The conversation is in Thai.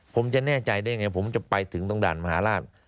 ผมจะแน่ใจได้ไงผมจะไปถึงตรงด่านมหาราช